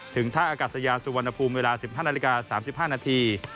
ท่าอากาศยาสุวรรณภูมิเวลา๑๕นาฬิกา๓๕นาที